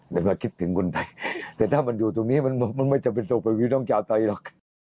ไม่ว่าคิดถึงคนไทยแต่ถ้ามันอยู่ตรงนี้มันไม่จำเป็นโตประวิวน้องเจ้าไทยหรอก